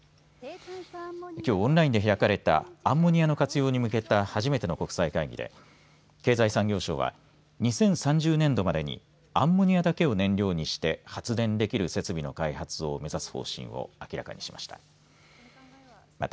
きょう、オンラインで開かれたアンモニアの活用に向けた初めての国際会議で経済産業省は２０３０年度までにアンモニアだけを燃料にして発電できる設備の開発を目指す方針を明らかにしました。